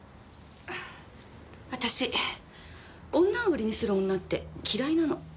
私女を売りにする女って嫌いなの。